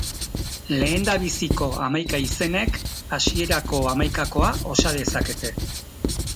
Lehendabiziko hamaika izenek hasierako hamaikakoa osa dezakete.